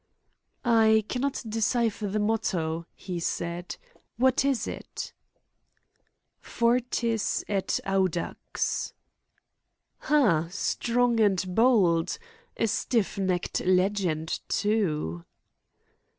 "I cannot decipher the motto," he said; "what is it?" "Fortis et audax." "Hum! 'Strong and bold.' A stiff necked legend, too."